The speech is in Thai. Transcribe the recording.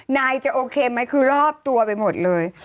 นายจะโอเคไหมคือรอบตัวไปหมดเลย